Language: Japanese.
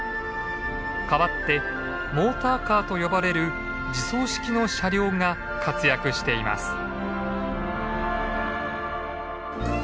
代わってモーターカーと呼ばれる自走式の車両が活躍しています。